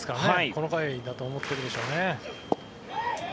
この回だと思っているでしょうね。